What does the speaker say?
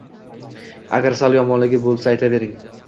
Agar sal yomonligi bo‘lsa aytabering.